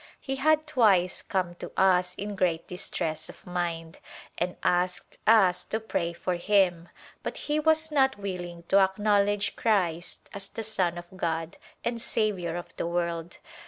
He had twice come to us in great distress of mind and asked us to pray for him, but he was not willing to acknowledge Christ as the Son of God and Saviour of the world.